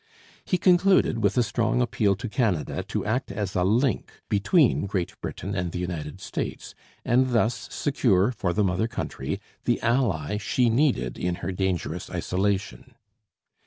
He concluded with a strong appeal to Canada to act as a link between Great Britain and the United States, and thus secure for the mother country the ally she needed in her dangerous isolation.